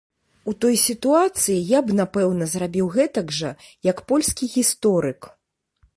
У той сітуацыі, я б напэўна зрабіў гэтак жа, як польскі гісторык.